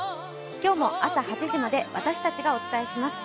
今日も朝８時まで私たちがお伝えします。